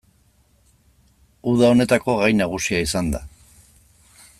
Uda honetako gai nagusia izan da.